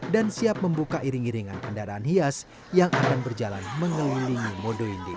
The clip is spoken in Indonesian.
dan siap membuka iring iringan kendaraan hias yang akan berjalan mengelilingi mode indik